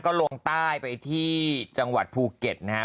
ก็ลงใต้ไปที่จังหวัดภูเก็ตนะครับ